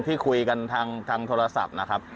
ที่คุยกันทางโทรศัพท์นะครับ